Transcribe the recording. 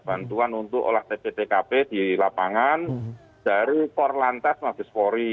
bantuan untuk olah tkp di lapangan dari kor lantas magispori